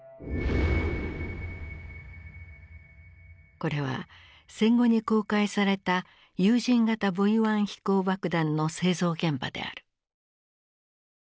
これは戦後に公開された有人型Ｖ１飛行爆弾の製造現場である。